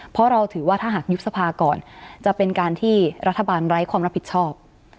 เพราะเราถือว่าถ้าหากยุบสภาก่อนจะเป็นการที่รัฐบาลไร้ความรับผิดชอบ